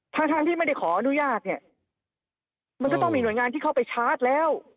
ทั้งที่ไม่ได้ขออนุญาตเนี่ยมันก็ต้องมีหน่วยงานที่เข้าไปชาร์จแล้ว